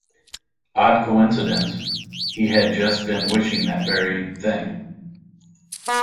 Odd coincidence — he had just been wishing that very thing.